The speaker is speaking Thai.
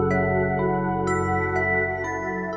ติดตามตอนต่อไป